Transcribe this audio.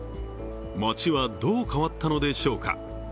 街はどう変わったのでしょうか。